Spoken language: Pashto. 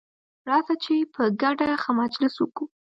راسه چي په ګډه ښه مجلس وکو.